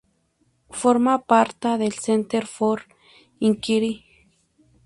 Forma parta del Center for Inquiry.